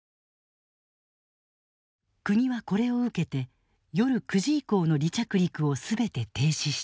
国はこれを受けて夜９時以降の離着陸を全て停止した。